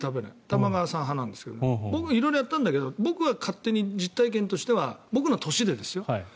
玉川さん派なんですけど僕、色々やったんだけど僕の実体験としては僕の年でですよ